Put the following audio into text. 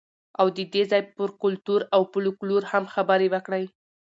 او د دې ځای پر کلتور او فولکلور هم خبرې وکړئ.